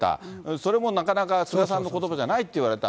それもなかなか菅さんのことばじゃないって言われた。